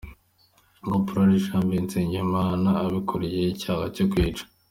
Caporal Janvier Nsengimana akurikiranyweho icyaha cyo kwica.